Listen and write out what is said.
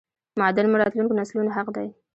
معادن مو راتلونکو نسلونو حق دی